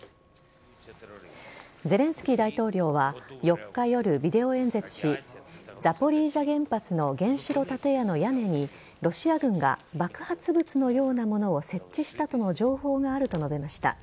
ゼレンスキー大統領は４日夜ビデオ演説しザポリージャ原発の原子炉建屋の屋根にロシア軍が爆発物のようなものを設置したとの情報があると述べました。